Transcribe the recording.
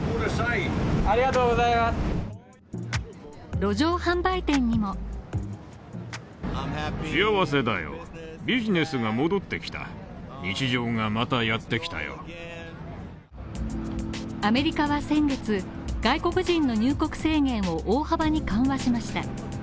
路上販売店にもアメリカは先月、外国人の入国制限を大幅に緩和しました。